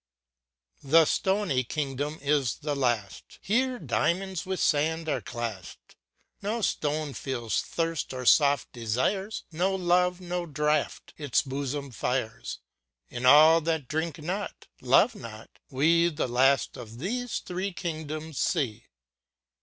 The stony kingdom is the last, Here diamonds with sand are classed ; No stone feels thirst, or soft desires, No love, no draught its bosom fires : In all that drink not, love not, we The last of these three kingdoms see.